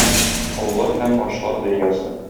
Коллар һәм ачлар дөньясы...